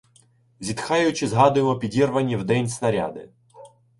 Зітхаючи, згадуємо підірвані вдень снаряди.